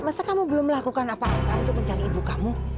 masa kamu belum melakukan apa apa untuk mencari ibu kamu